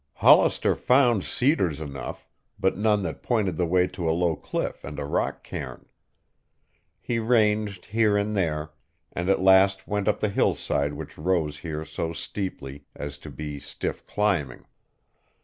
Hollister found cedars enough, but none that pointed the way to a low cliff and a rock cairn. He ranged here and there, and at last went up the hillside which rose here so steeply as to be stiff climbing.